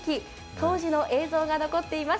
当時の映像が残っています。